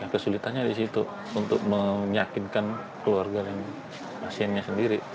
kesulitannya di situ untuk meyakinkan keluarga yang masing masing sendiri